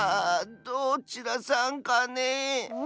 どちらさんかねえ？